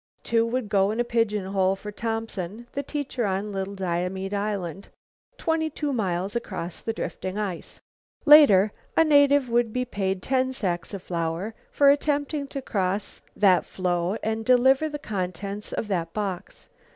Two would go in a pigeon hole, for Thompson, the teacher on Little Diomede Island, twenty two miles across the drifting ice. Later a native would be paid ten sacks of flour for attempting to cross that floe and deliver the contents of that box.